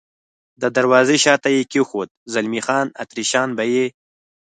د دروازې شاته یې کېښود، زلمی خان: اتریشیان به یې.